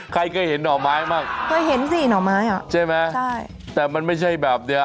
ใครเคยเห็นหน่อไม้บ้างเคยเห็นสิหน่อไม้อ่ะใช่ไหมใช่แต่มันไม่ใช่แบบเนี้ย